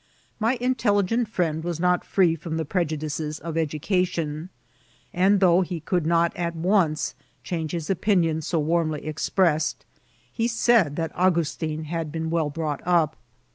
My intelligent friend was not free from the prejadioes of education ; and though he could not at onee change his opinion so warmly expressed, he said that Augnstin had been well brought up.